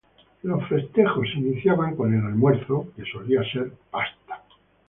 Los festejos se iniciaban con el almuerzo, que solía ser pasta.